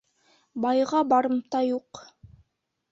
Байға барымта юҡ